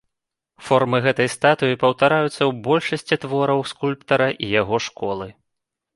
Формы гэтай статуі паўтараюцца ў большасці твораў скульптара і яго школы.